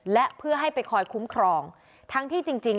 และเพื่อให้ไปคอยคุ้มครองทั้งที่จริง